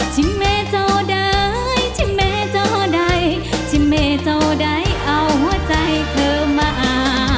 ชิเมเจ้าใดชิเมเจ้าใดชิเมเจ้าใดเอาหัวใจเธอมา